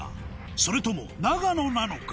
それとも長野なのか？